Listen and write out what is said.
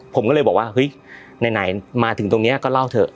ผมก็เลยบอกว่าเฮ้ยไหนมาถึงตรงนี้ก็เล่าเถอะ